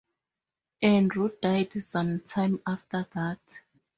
Andrew died sometime after that.